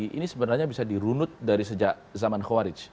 dan ini sebenarnya bisa dirunut dari sejak zaman khawarij